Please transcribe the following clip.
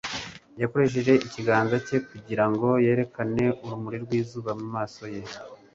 yakoresheje ikiganza cye kugira ngo yerekane urumuri rw'izuba mu maso ye